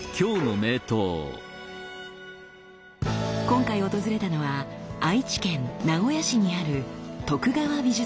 今回訪れたのは愛知県名古屋市にある徳川美術館。